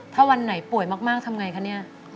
ถ้าวันไหนป่วยมากทำอย่างไรคะนี่